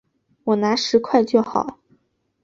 我拿十块就好